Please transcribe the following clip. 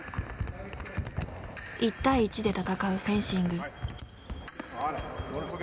１対１で戦うフェンシング。